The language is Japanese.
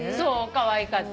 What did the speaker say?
かわいかった。